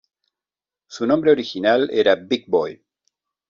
Su nombre original era "Big Boy".